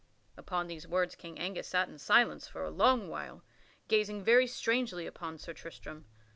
Upon these words, King Angus sat in silence for a long while, gazing very strangely upon Sir Tristram.